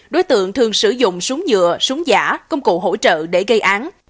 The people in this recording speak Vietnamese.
đối tượng thường sử dụng súng nhựa súng giả công cụ hỗ trợ để gây án